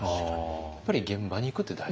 やっぱり現場に行くって大事？